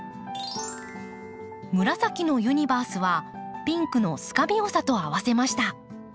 紫のユニバースはピンクのスカビオサと合わせました。